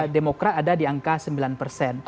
demokrat ada di angka sembilan persen